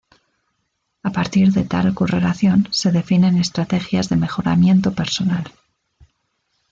A partir de tal correlación se definen estrategias de mejoramiento personal.